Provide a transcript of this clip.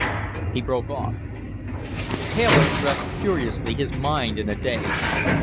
He broke off. Taylor dressed furiously, his mind in a daze.